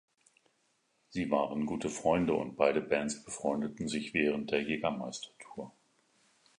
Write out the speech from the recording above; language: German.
Sie waren gute Freunde und beide Bands befreundeten sich während der Jägermeister-Tour.